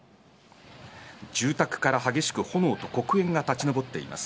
住宅から激しく炎と黒煙が立ち上っています。